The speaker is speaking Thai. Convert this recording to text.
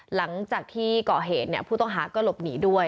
หลังจากที่ก่อเหตุผู้ต้องหาก็หลบหนีด้วย